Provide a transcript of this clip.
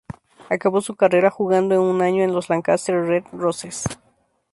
Acabó su carrera jugando un año en los Lancaster Red Roses.